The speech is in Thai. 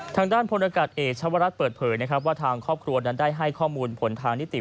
ทางด้านผลละกัดแอชวราชเปิดเผยนะครับว่าทางครอบครัวได้ให้ข้อมูลพลฯทีวิทยาศาสตร์